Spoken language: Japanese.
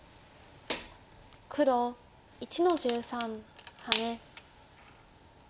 黒１の十三ハネ。